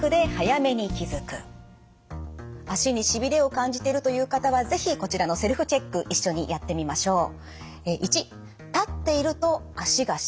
足にしびれを感じてるという方は是非こちらのセルフチェック一緒にやってみましょう。